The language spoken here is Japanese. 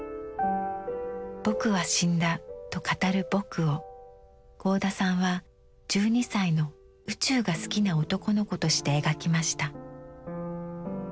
「ぼくはしんだ」と語る「ぼく」を合田さんは１２歳の宇宙が好きな男の子として描きました。